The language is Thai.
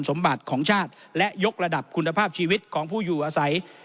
สมบัติของชาติและยกระดับคุณภาพชีวิตของผู้อยู่อาศัย